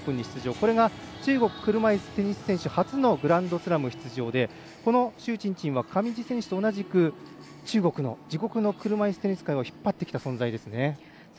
これが車いすテニスで初のグランドスラム出場でこの朱珍珍は上地選手と同じく中国の車いすテニス界を引っ張ってきた存在ですね。